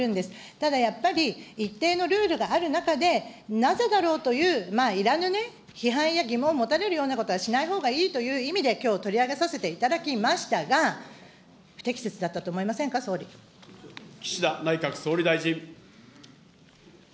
ただやっぱり、一定のルールがある中で、なぜだろうといういらぬね、批判や疑問を持たれるようなことはしないほうがいいという意味で、きょう取り上げさせていただきましたが、不適切だったと思岸田内閣総理大臣。